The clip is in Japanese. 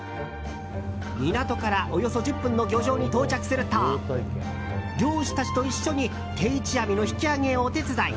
港からおよそ１０分の漁場に到着すると漁師たちと一緒に定置網の引き上げをお手伝い。